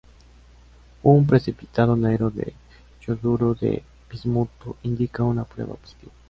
Un precipitado negro de yoduro de bismuto indica una prueba positiva.